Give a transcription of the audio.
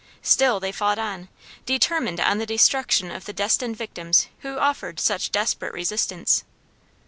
Still they fought on, determined on the destruction of the destined victims who offered such desperate resistance.